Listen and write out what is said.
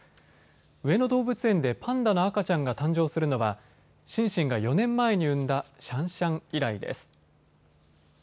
上野動物園でパンダの赤ちゃんが誕生するのはシンシンが４年前に産んだシャンシャン以来です。